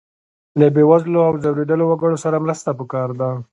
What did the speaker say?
له بې وزلو او ځورېدلو وګړو سره مرسته پکار ده.